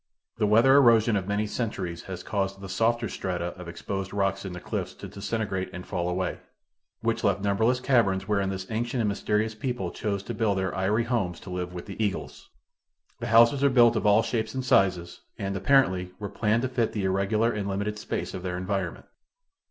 The weather erosion of many centuries has caused the softer strata of exposed rocks in the cliffs to disintegrate and fall away, which left numberless caverns wherein this ancient and mysterious people chose to build their eyrie homes to live with the eagles. The houses are built of all shapes and sizes and, apparently, were planned to fit the irregular and limited space of their environment.